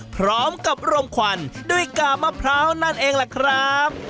พร้อมกับรมควันด้วยกาบมะพร้าวนั่นเองแหละครับ